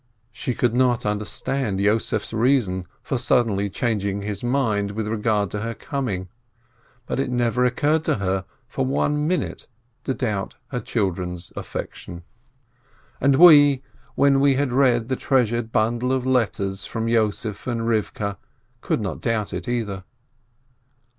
She could not understand Yossef's reason for suddenly changing his mind with re FORLORN AND FORSAKEN 305 gard to her coming ; but it never occurred to her for one minute to doubt her children's affection. And we, when we had read the treasured bundle of letters from Yossef and Rivkeh, we could not doubt it, either.